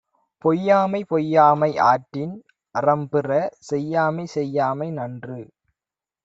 பொய்யாமை பொய்யாமை ஆற்றின் அறம்பிற செய்யாமை செய்யாமை நன்று.